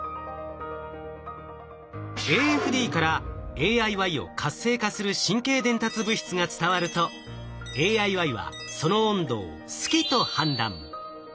ＡＦＤからＡＩＹを活性化する神経伝達物質が伝わるとＡＩＹはその温度を「好き」と判断。